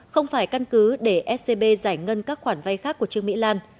không phải căn cứ để scb giải ngân các khoản vay khác của trương mỹ lan